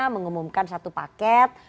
mengumumkan satu paket